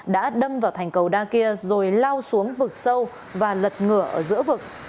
đã đâm vào thành cầu đa kia rồi lao xuống vực sâu và lật ngửa ở giữa vực